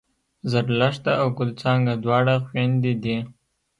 زرلښته او ګل څانګه دواړه خوېندې دي